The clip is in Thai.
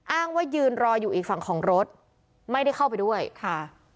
อ้างว่ายืนรออยู่อีกฝั่งของรถไม่ได้เข้าไปด้วยค่ะ